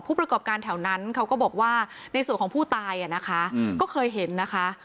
ประกอบการแถวนั้นเขาก็บอกว่าในส่วนของผู้ตายนะคะก็เคยเห็นนะคะ